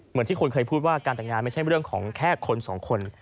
เหมือนที่คนเคยพูดว่าการแต่งงานไม่ใช่เรื่องของแค่คนสองคน